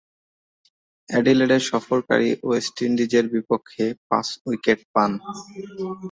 অ্যাডিলেডে সফরকারী ওয়েস্ট ইন্ডিজের বিপক্ষে পাঁচ উইকেট পান।